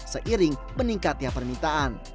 seiring meningkat tiap permintaan